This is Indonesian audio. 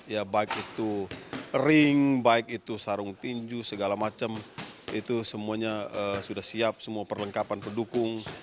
ya baik itu ring baik itu sarung tinju segala macam itu semuanya sudah siap semua perlengkapan pendukung